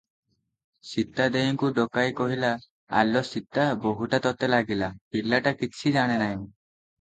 ସୀତା ଦେଈଙ୍କୁ ଡକାଇ କହିଲା, "ଆଲୋ ସୀତା, ବୋହୂଟା ତତେ ଲାଗିଲା, ପିଲାଟା କିଛି ଜାଣେ ନାହିଁ ।"